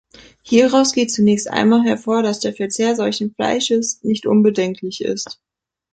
Hieraus geht zunächst einmal hervor, dass der Verzehr solchen Fleisches nicht unbedenklich ist.